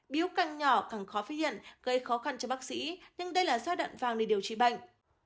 biếu càng nhỏ càng khó phát hiện gây khó khăn cho bác sĩ nhưng đây là giai đoạn vàng để điều trị bệnh